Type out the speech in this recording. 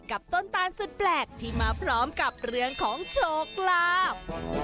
ต้นตาลสุดแปลกที่มาพร้อมกับเรื่องของโชคลาภ